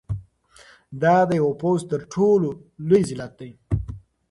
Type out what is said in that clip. دا د یو پوځ لپاره تر ټولو لوی ذلت دی.